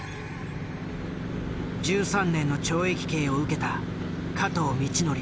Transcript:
１３年の懲役刑を受けた加藤倫教。